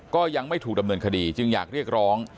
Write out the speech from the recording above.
ก็ยังไม่ถูกดำเนินคดีจึงอยากเรียกร้อง